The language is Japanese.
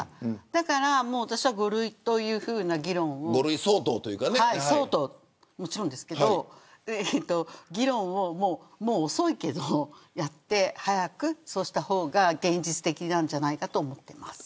だから私は５類という議論を５類相当、もちろんですけれど議論を遅いけれどやって早く、そうした方が現実的なんじゃないかと思っています。